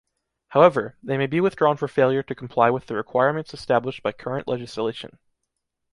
However, they may be withdrawn for failure to comply with the requirements established by current legislation.